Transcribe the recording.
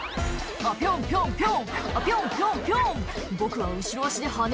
「あピョンピョンピョン」